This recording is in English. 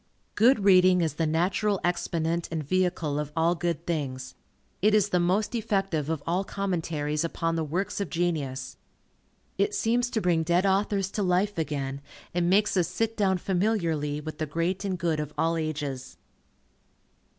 Good reading is the natural exponent and vehicle of all good things. It is the most effective of all commentaries upon the works of genius. It seems to bring dead authors to life again, and makes us sit down familiarly with the great and good of all ages.